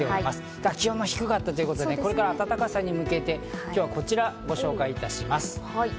ただ気温が低かったということで、これから暖かさに向けて今日はこちらをご紹介します。